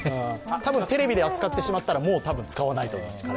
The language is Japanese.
テレビで扱ってしまったら、彼らは使わないと思います。